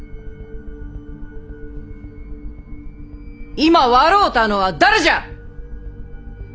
今笑うたのは誰じゃ！